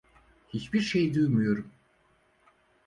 Hiçbir şey duymuyorum.